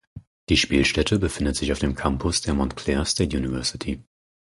Die Spielstätte befindet sich auf dem Campus der Montclair State University.